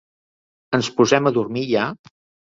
Ens posem a dormir ja.